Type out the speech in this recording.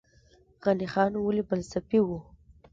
غني خان ولې فلسفي و؟